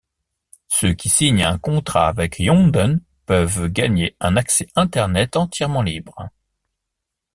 Ceux qui signent un contrat avec Yonden peuvent gagner un accès internet entièrement libre.